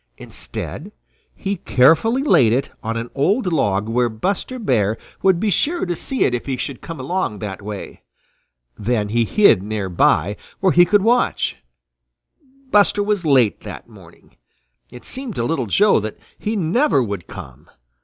Instead he carefully laid it on an old log where Buster Bear would be sure to see it if he should come along that way. Then he hid near by, where he could watch. Buster was late that morning. It seemed to Little Joe that he never would come.